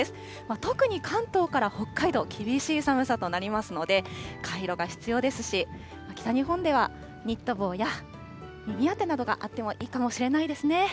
特に関東から北海道、厳しい寒さとなりますので、カイロが必要ですし、北日本ではニット帽や耳当てなどがあってもいいかもしれないですね。